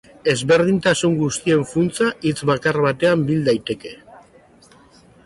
Ezberdintasun guztien funtsa hitz bakar batean bil daiteke.